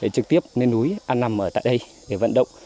trực tiếp lên núi an năm ở tại đây để vận động